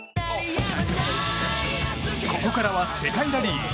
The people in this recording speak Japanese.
ここからは世界ラリー。